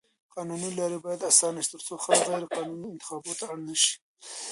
قانوني لارې بايد اسانه شي تر څو خلک غيرقانوني انتخابونو ته اړ نه شي.